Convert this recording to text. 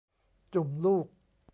จุ่มลูก